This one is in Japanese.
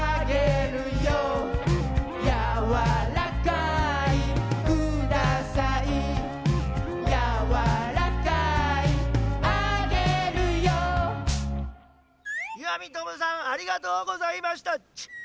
夢さんありがとうございましたっち！